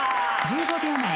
１５秒前。